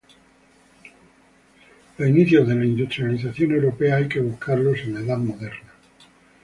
Los inicios de la industrialización europea hay que buscarlos en la Edad Moderna.